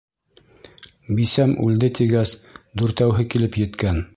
Бисәм үлде тигәс, дүртәүһе килеп еткән.